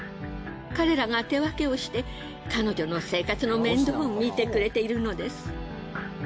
彼らが手分けをして彼女の生活の面倒を見てくれているのです。